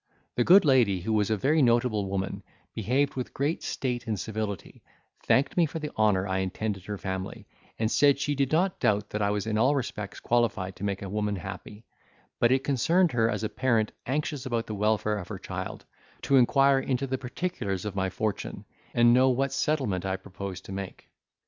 The good lady, who was a very notable woman, behaved with great state and civility; thanked me for the honour I intended her family; and said, she did not doubt that I was in all respects qualified to make a woman happy; but it concerned her as a parent anxious about the welfare of her child, to inquire into the particulars of my fortune, and know what settlement I proposed to make.